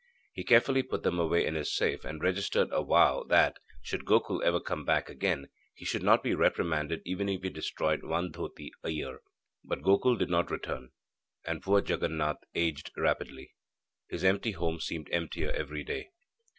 He carefully put them away in his safe, and registered a vow that, should Gokul ever come back again, he should not be reprimanded even if he destroyed one dhoti a year. A ceremonial worship. But Gokul did not return, and poor Jaganath aged rapidly. His empty home seemed emptier every day.